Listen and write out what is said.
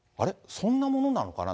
そんなものなのかな。